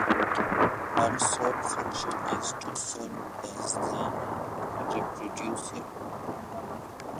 Her sole function is to serve as the reproducer.